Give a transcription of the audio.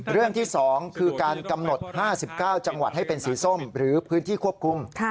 เรื่องที่๒คือการกำหนด๕๙จังหวัดให้เป็นสีส้มหรือพื้นที่ควบคุม